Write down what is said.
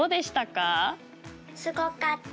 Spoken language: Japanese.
すごかった。